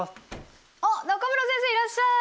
あっ中村先生いらっしゃい！